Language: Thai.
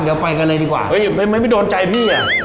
เดี๋ยวไปกันเลยดีกว่าเฮ้ยไม่โดนใจพี่อ่ะ